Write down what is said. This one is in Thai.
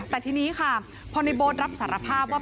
แต่ทีนี้ค่ะพอในโบ๊ทรับสารภาพว่า